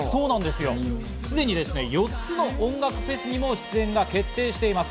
すでに４つの音楽フェスにも出演が決定しています。